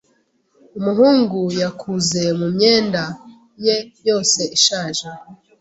Umuhungu yakuze mumyenda ye yose ishaje.